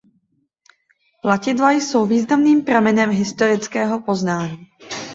Platidla jsou významným pramenem historického poznání.